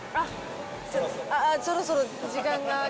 そろそろ時間が。